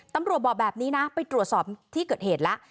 บอกแบบนี้นะไปตรวจสอบที่เกิดเหตุแล้ว